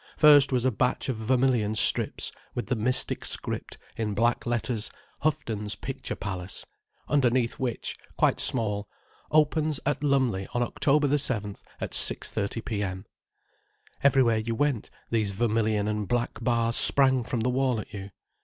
First was a batch of vermilion strips, with the mystic script, in big black letters: Houghton's Picture Palace, underneath which, quite small: Opens at Lumley on October 7th, at 6:30 P.M. Everywhere you went, these vermilion and black bars sprang from the wall at you.